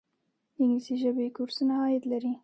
د انګلیسي ژبې کورسونه عاید لري؟